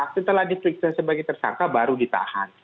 setelah diperiksa sebagai tersangka baru ditahan